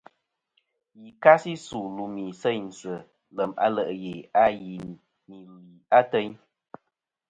Yì kasi su lùmì seynsɨ lèm a le' ghè a zɨ nì li atayn.